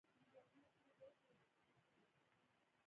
د خلکو لپاره یې یوه پښه پر کلي وه.